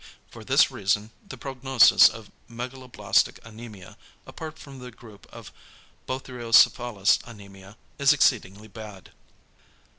=For this reason, the prognosis of megaloblastic anæmia, apart from the group of Bothriocephalus anæmia, is exceedingly bad.